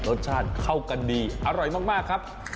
รสชาติเข้ากันดีอร่อยมากครับ